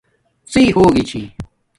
ڎی ہوگی چھی